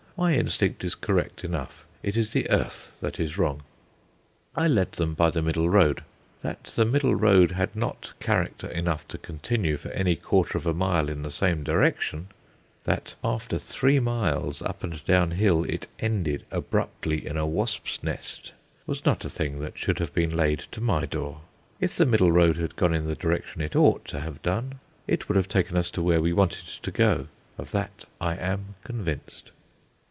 My instinct is correct enough; it is the earth that is wrong. I led them by the middle road. That the middle road had not character enough to continue for any quarter of a mile in the same direction; that after three miles up and down hill it ended abruptly in a wasps' nest, was not a thing that should have been laid to my door. If the middle road had gone in the direction it ought to have done, it would have taken us to where we wanted to go, of that I am convinced.